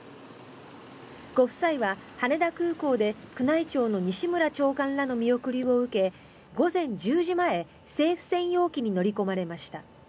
ご夫妻は羽田空港で宮内庁の西村長官らの見送りを受け午前１０時前政府専用機に乗り込まれました。